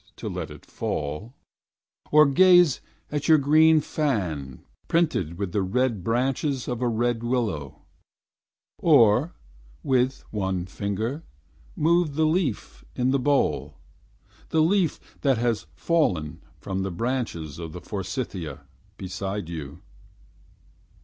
To let it fall; Or gaze at your green fan Printed with the red branches of a red willow; Or, with one finger. Move the leaf in the bowl The leaf that has fallen from the branches of the forsythia Beside you